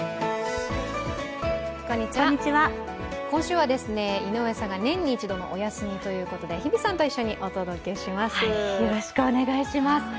今週は井上さんが年に１度のお休みということで日比さんと一緒にお届けします。